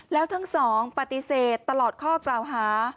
แล้วทั้งสองปฏิเสธตลอดข้อกล่าวหา